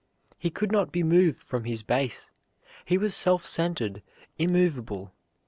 He could not be moved from his base; he was self centered, immovable.